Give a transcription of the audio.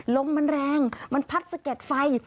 ลมมันแรงมันพัดสะเก็ดไฟ